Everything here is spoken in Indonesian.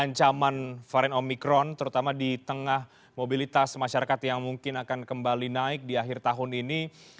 ancaman varian omikron terutama di tengah mobilitas masyarakat yang mungkin akan kembali naik di akhir tahun ini